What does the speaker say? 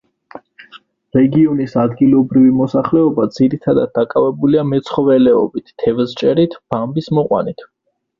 რეგიონის ადგილობრივი მოსახლეობა ძირითადად დაკავებულია მეცხოველეობით, თევზჭერით, ბამბის მოყვანით.